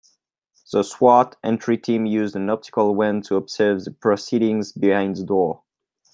The S.W.A.T. entry team used an optical wand to observe the proceedings behind the door.